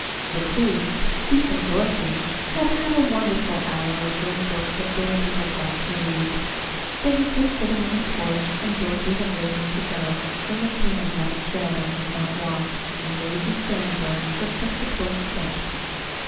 The two, Keith and Dorothy, had had a wonderful hour over a book that Dorothy had brought to read. They had been sitting on the porch, and Dorothy had risen to go when there came a light tread on the front walk and Mazie Sanborn tripped up the porch steps.